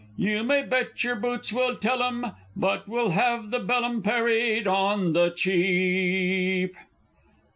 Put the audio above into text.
_ You may bet yer boots we'll tell 'em! But we'll have the "bellum" "parried" On the Cheap!